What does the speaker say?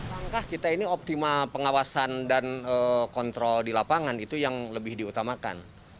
langkah kita ini optimal pengawasan dan kontrol di lapangan itu yang lebih diutamakan